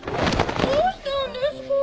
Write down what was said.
どうしたんですかー？